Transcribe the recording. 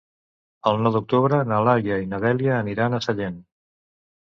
El nou d'octubre na Laia i na Dèlia aniran a Sallent.